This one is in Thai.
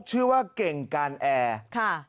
ชื่อว่าเก่งการแอร์ค่ะ